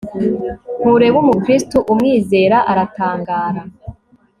Ntureba umukristo umwizera aratangara